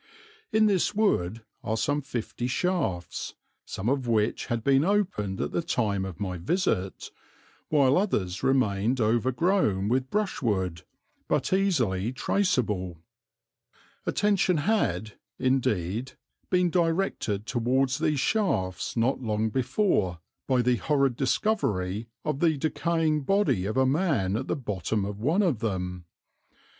In this wood are some fifty shafts, some of which had been opened at the time of my visit, while others remained overgrown with brushwood but easily traceable. Attention had, indeed, been directed towards these shafts not long before by the horrid discovery of the decaying body of a man at the bottom of one of them.